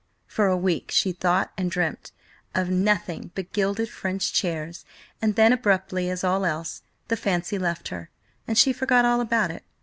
For a week she thought and dreamt of nothing but gilded French chairs, and then abruptly, as all else, the fancy left her, and she forgot all about it.